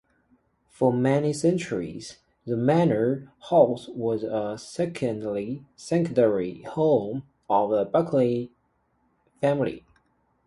For many centuries the manor house was a secondary home of the Bullock family.